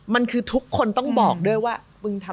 มันคือทุกคนต้องบอกด้วยว่ามึงทำ